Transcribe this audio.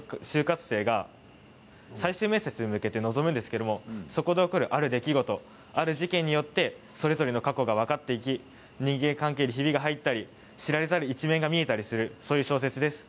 ６人の就活生が最終面接に向けて臨むんですけどそこで起こるある出来事ある事件によってそれぞれの過去が分かっていき人間関係にひびが入ったり知られざる一面が見えたりする小説です。